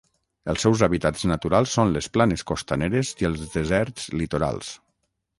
Els seus hàbitats naturals són les planes costaneres i els deserts litorals.